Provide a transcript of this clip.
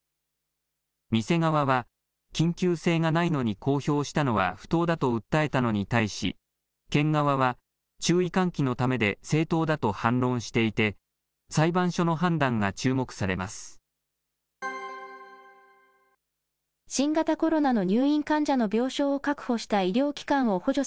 店側は、緊急性がないのに公表したのは不当だと訴えたのに対し、県側は、注意喚起のためで正当だと反論していて、裁判所の判断が注目されます。